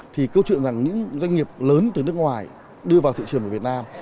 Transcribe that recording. thì câu chuyện rằng những doanh nghiệp lớn từ nước ngoài đưa vào thị trường của việt nam